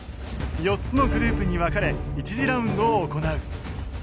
４つのグループに分かれ１次ラウンドを行う。